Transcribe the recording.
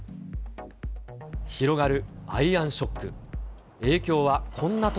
広がるアイアンショック。